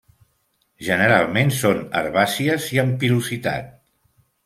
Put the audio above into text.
Generalment són herbàcies i amb pilositat.